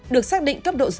được xác định cấp độ dịch tễ